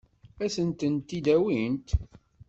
Ad sent-tent-id-awint?